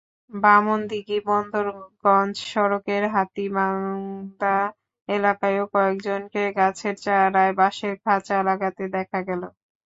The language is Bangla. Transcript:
বামনদিঘী-বদরগঞ্জ সড়কের হাতিবান্ধা এলাকায়ও কয়েকজনকে গাছের চারায় বাঁশের খাঁচা লাগাতে দেখা গেল।